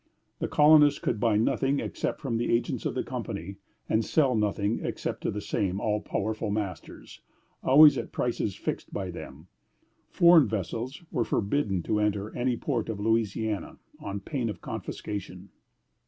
The colonists could buy nothing except from the agents of the company, and sell nothing except to the same all powerful masters, always at prices fixed by them. Foreign vessels were forbidden to enter any port of Louisiana, on pain of confiscation.